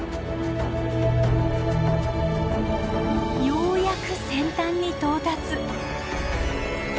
ようやく先端に到達。